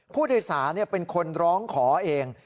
ผู้โดยสารเป็นคนร้องขอเอง